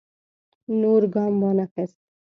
نور ګام وانه خیست.